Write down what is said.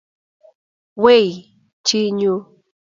Wei, chi nyu !